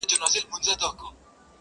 بغاوت دی سرکښي ده زندگي د مستۍ نوم دی